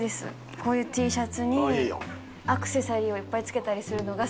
こういうＴシャツにアクセサリーをいっぱいつけたりするのが好きです。